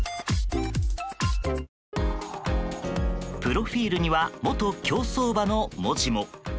プロフィールには元競走馬の文字も。